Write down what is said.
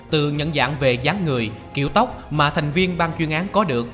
từ nhận dạng về dán người kiểu tóc mà thành viên ban chuyên án có được